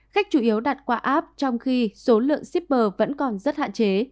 khách chủ yếu đặt qua app trong khi số lượng shipper vẫn còn rất hạn chế